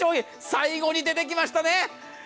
最後に出てきましたね。